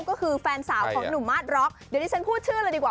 ก็คือแฟนสาวของหนุ่มมาสบร็อกเดี๋ยวดิฉันพูดชื่อเลยดีกว่า